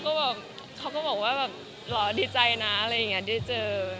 บอกค่ะเขาก็แบบเขาก็บอกว่าแบบหรอดีใจนะอะไรอย่างนี้เดี๋ยวเจอ